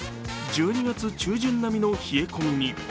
１２月中旬並みの冷え込みに。